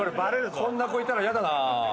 こんな子いたらイヤだな。